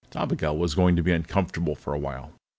Dobigel was going to be uncomfortable for a while.